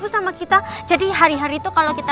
sama kita jadi hari hari itu kalau kita